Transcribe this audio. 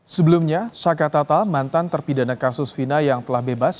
sebelumnya saka tata mantan terpidana kasus fina yang telah bebas